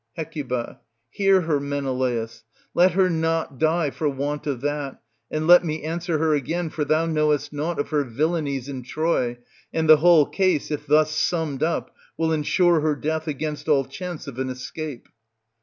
Hec. Hear her, Menelaus ; let her not die for want of that, and let me answer her again, for thou knowest naught of her villainies in Troy; and the whole case, if thus summed up, will insure her death against all chance of an escape.